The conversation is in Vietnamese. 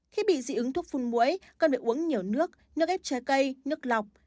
khi bị dị ứng thuốc phun mũi cần phải uống nhiều nước nước ép trái cây nước lọc